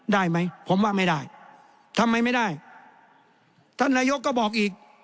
ได้ไหมผมว่าไม่ได้ทำไมไม่ได้ท่านนายกก็บอกอีก